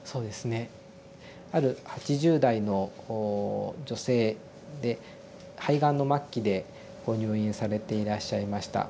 ある８０代の女性で肺がんの末期でご入院されていらっしゃいました。